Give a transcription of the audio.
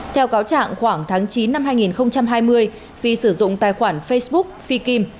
theo cáo trạng khoảng tháng chín năm hai nghìn hai mươi phi sử dụng tài khoản facebook phi kim